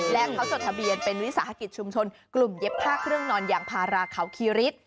และเขาจดทะเบียนเป็นวิสาหกิจชุมชนกลุ่มเย็บผ้าเครื่องนอนยางพาราเขาคีฤทธิ์